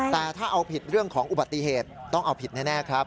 แต่ถ้าเอาผิดเรื่องของอุบัติเหตุต้องเอาผิดแน่ครับ